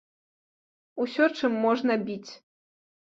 Усё, чым можна біць.